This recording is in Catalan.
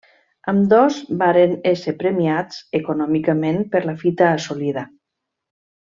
Ambdós varen ésser premiats econòmicament per la fita assolida.